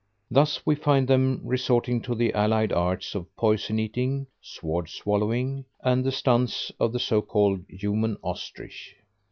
Thus we find them resorting to the allied arts of poison eating, sword swallowing and the stunts of the so called Human Ostrich.